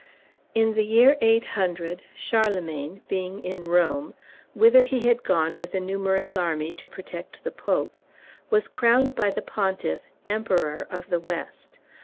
In the year 800 Charlemagne, being in Rome, whither he had gone with a numerous army to protect the Pope, was crowned by the Pontiff Emperor of the West.